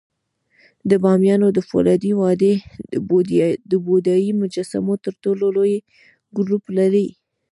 د بامیانو د فولادي وادي د بودایي مجسمو تر ټولو لوی ګروپ لري